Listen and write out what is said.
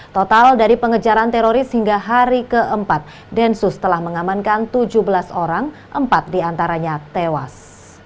total dari pengejaran teroris hingga hari keempat densus telah mengamankan tujuh belas orang empat diantaranya tewas